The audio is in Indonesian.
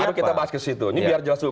nah baru kita bahas ke situ